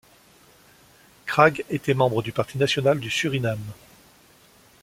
Kraag était membre du Parti national du Suriname.